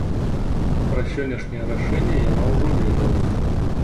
Пра сённяшняе рашэнне яна ўжо ведала.